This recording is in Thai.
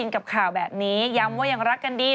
กับข่าวแบบนี้ย้ำว่ายังรักกันดี